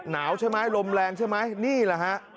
หนาวใช่ไหมลมแรงใช่ไหมนี่แหละฮะ